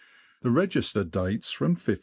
The register dates from 1556.